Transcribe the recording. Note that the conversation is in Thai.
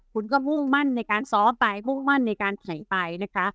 คุณก็มุ่งมั่นในการซ้อมไปมุ่งมั่นในการแข่งไปนะคะ